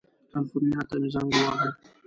کلیفورنیا ته مې زنګ ووهه.